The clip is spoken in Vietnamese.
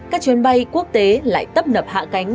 các chuyến bay quốc tế lại tấp nập hạ cánh